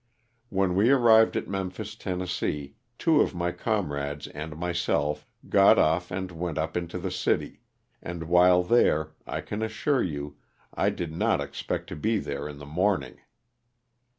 When we arrived at Memphis, Tenn., two of my comrades and myself got off and went up into the city, and while there, I can assure you, I did not expect to be there in the morning.